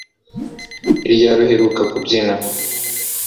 Ni ryari uheruka kubyina